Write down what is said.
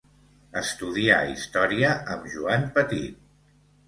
Estudià història amb Joan Petit.